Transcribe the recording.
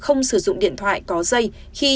không sử dụng điện thoại có dây khi